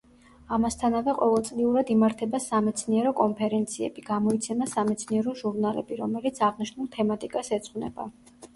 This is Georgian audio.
ამასთანავე ყოველწლიურად იმართება სამეცნიერო კონფერენციები, გამოიცემა სამეცნიერო ჟურნალები, რომელიც აღნიშნულ თემატიკას ეძღვნება.